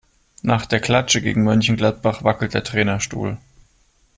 Nach der Klatsche gegen Mönchengladbach wackelt der Trainerstuhl.